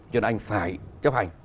cho nên anh phải chấp hành